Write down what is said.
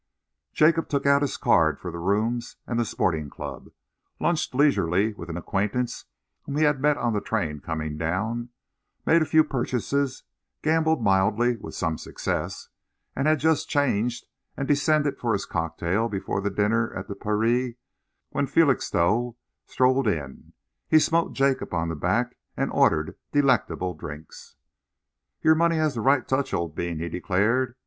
Jacob took out his card for the Rooms and the Sporting Club, lunched leisurely with an acquaintance whom he had met on the train coming down, made a few purchases, gambled mildly, with some success, and had just changed and descended for his cocktail before dinner at the Paris when Felixstowe strolled in. He smote Jacob on the back and ordered delectable drinks. "Your money has the right touch, old bean," he declared.